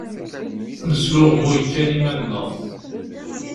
Nesluɣmuy kan iman-nneɣ.